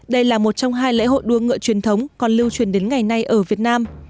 đây là một trong hai lễ hội đua ngựa truyền thống còn lưu truyền đến ngày nay ở việt nam